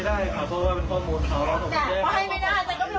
ด้านตรงไหน